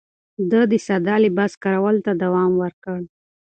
ده د ساده لباس کارولو ته دوام ورکړ.